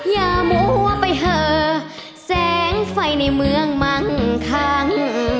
อย่ามัวไปเหอแสงไฟในเมืองมั่งคัง